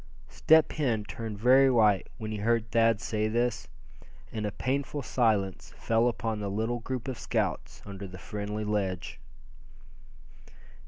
Step Hen turned very white when he heard Thad say this, and a painful silence fell upon the little group of scouts under the friendly ledge.